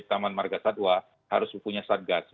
taman marga satwa harus punya satgas